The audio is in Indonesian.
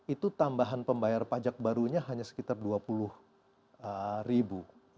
itu tambahan pembayar pajak barunya hanya sekitar dua puluh ribu